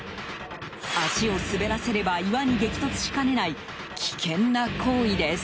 足を滑らせれば岩に激突しかねない危険な行為です。